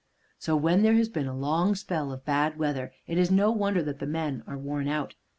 So, when there has been a long spell of bad weather, it is no wonder that the men are worn out.